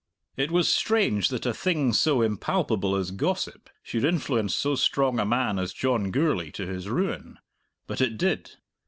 It was strange that a thing so impalpable as gossip should influence so strong a man as John Gourlay to his ruin. But it did.